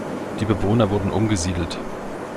Die Bewohner wurden umgesiedelt.